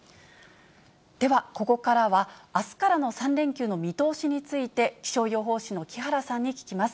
では、ここからはあすからの３連休の見通しについて、気象予報士の木原さんに聞きます。